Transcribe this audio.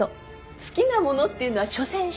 好きなものっていうのはしょせん趣味。